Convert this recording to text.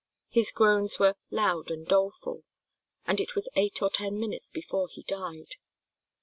His groans were "loud and doleful," and it was eight or ten minutes before he died.